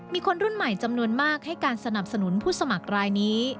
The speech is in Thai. มีคนรุ่นใหม่จำนวนมากให้การสนับสนุนผู้สมัครรายนี้